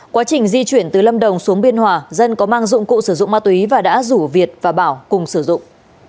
quá trình di chuyển từ lâm đồng xuống biên hòa dân có mang dụng cụ sử dụng ma túy và đã rủ việt và bảo cùng sử dụng